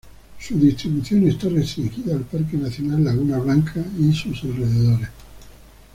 Su distribución está restringida al Parque Nacional Laguna Blanca y sus alrededores.